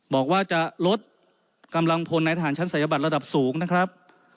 บอกว่าจะลดกำลังพลในทหารชั้นศัยบัตรระดับสูงนะครับ